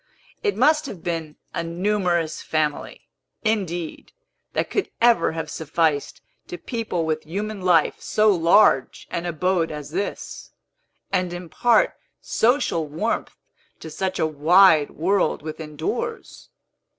It must have been a numerous family, indeed, that could ever have sufficed to people with human life so large an abode as this, and impart social warmth to such a wide world within doors.